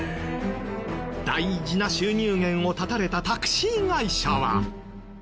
大事な収入源を絶たれたタクシー会社は。